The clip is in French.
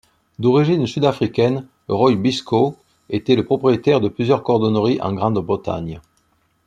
D'origine sud-africaine, Roy Bishko était le propriétaire de plusieurs cordonneries en Grande-Bretagne.